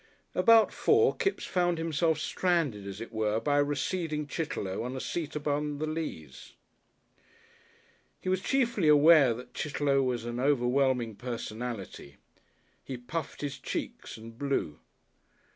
About four Kipps found himself stranded, as it were, by a receding Chitterlow on a seat upon the Leas. He was chiefly aware that Chitterlow was an overwhelming personality. He puffed his cheeks and blew.